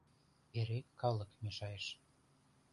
Эре калык мешайыш...